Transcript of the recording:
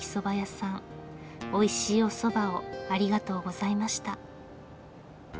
おいしいおそばをありがとうございました。